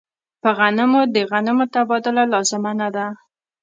په غنمو د غنمو تبادله لازمه نه ده.